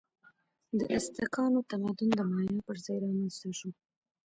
د ازتکانو تمدن د مایا پر ځای رامنځته شو.